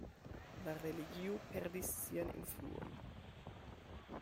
La religio perdis sian influon.